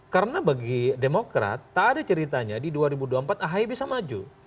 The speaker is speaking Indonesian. karena bagi demokrat tak ada ceritanya di dua ribu dua puluh empat ahi bisa maju